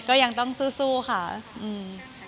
ก็ยังต้องสู้สู้ค่ะอืม